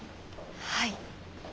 はい。